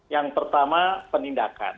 yang pertama penindakan